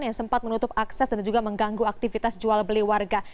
yang sempat menutup akses dan juga mengganggu aktivitas jual beli warga